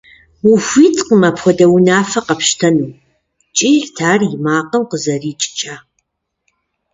- Ухуиткъым апхуэдэ унафэ къэпщтэну! – кӀийрт ар и макъым къызэрикӀкӀэ.